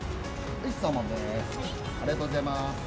ありがとうございます。